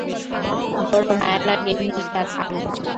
বড় মায়া লাগে নিসার আলির।